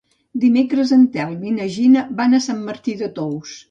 Dimecres en Telm i na Gina van a Sant Martí de Tous.